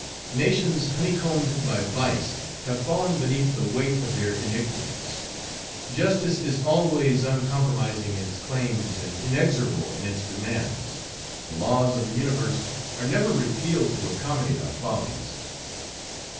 Nations, honey combed by vice, have fallen beneath the weight of their iniquities. Justice is always uncompromising in its claims and inexorable in its demands. The laws of the universe are never repealed to accommodate our follies."